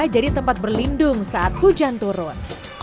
jadi tempat berlindung saat hujan turun